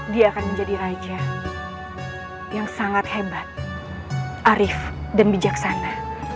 dia akan menjadi raja yang sangat hebat arif dan bijaksana